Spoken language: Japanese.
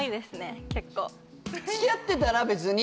付き合ってたら別に？